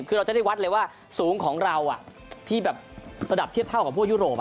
คือเราจะได้วัดเลยว่าสูงของเราที่แบบระดับเทียบเท่ากับพวกยุโรป